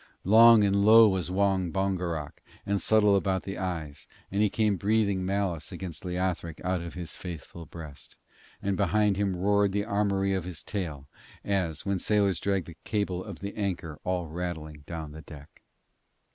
Long and low was Wong Bongerok, and subtle about the eyes, and he came breathing malice against Leothric out of his faithful breast, and behind him roared the armoury of his tail, as when sailors drag the cable of the anchor all rattling down the deck.